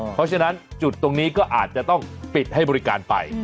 เพราะฉะนั้นจุดตรงนี้ก็อาจจะต้องปิดให้บริการไป